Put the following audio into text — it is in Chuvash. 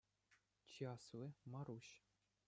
Чи асли – Маруҫ.